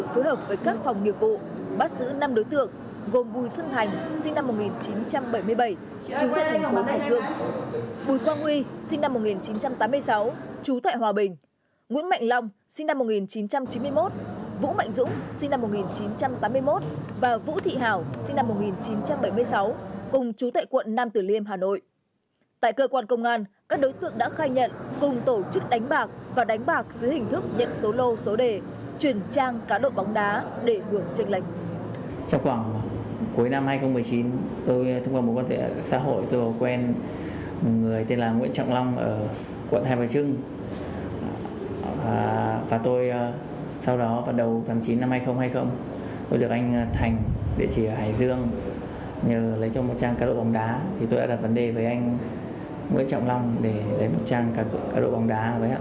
phối hợp với các phòng nghiệp vụ bắt giữ năm đối tượng gồm bùi xuân thành sinh năm một nghìn chín trăm bảy mươi bảy chú thệ thành phố hà nội bùi quang huy sinh năm một nghìn chín trăm tám mươi sáu chú thệ hòa bình nguyễn mạnh long sinh năm một nghìn chín trăm chín mươi một vũ mạnh dũng sinh năm một nghìn chín trăm tám mươi một và vũ thị hảo sinh năm một nghìn chín trăm bảy mươi sáu cùng chú thệ quận năm từ liêm hà nội